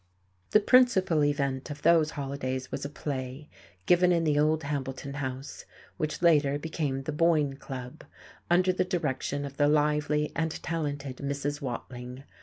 The principal event of those holidays was a play given in the old Hambleton house (which later became the Boyne Club), under the direction of the lively and talented Mrs. Watling.